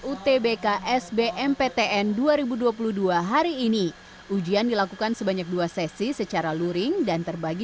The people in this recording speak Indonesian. utbk sbmptn dua ribu dua puluh dua hari ini ujian dilakukan sebanyak dua sesi secara luring dan terbagi